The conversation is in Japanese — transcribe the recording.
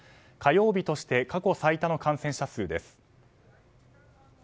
火曜日として過去最多の感染者数です。